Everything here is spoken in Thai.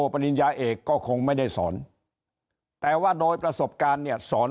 ปริญญาเอกก็คงไม่ได้สอนแต่ว่าโดยประสบการณ์เนี่ยสอน